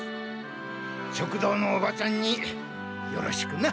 食堂のおばちゃんによろしくな！